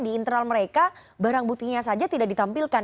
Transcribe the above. di internal mereka barang buktinya saja tidak ditampilkan